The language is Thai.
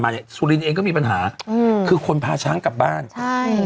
เนี้ยสุรินทร์เองก็มีปัญหาอืมคือคนพาช้างกลับบ้านใช่